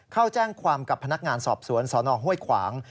เข้าแจ้งความกับพนักงานสอบสวนสนห้วยขวาง